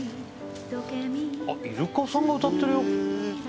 あっイルカさんが歌ってるよ。